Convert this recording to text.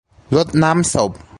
รดน้ำศพ